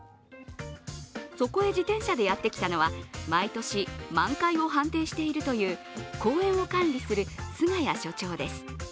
そこへ、自転車でやってきたのは毎年、満開を判定しているという公園を管理する菅谷所長です。